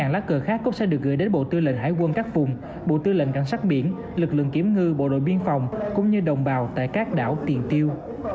lá cờ khác cũng sẽ được gửi đến bộ tư lệnh hải quân các vùng bộ tư lệnh cảnh sát biển lực lượng kiểm ngư bộ đội biên phòng cũng như đồng bào tại các đảo tiền tiêu